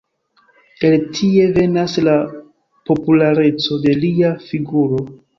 El tie venas la populareco de lia figuro.